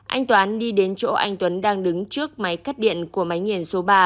anh toán đi đến chỗ anh tuấn đang đứng trước máy cắt điện của máy nghiền số ba